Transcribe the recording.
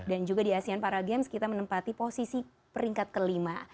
dan juga di asean para games kita menempati posisi peringkat kelima